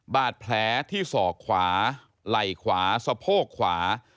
บาดแผลที่ศอกขวาไหล่ขวาสะโพกขวา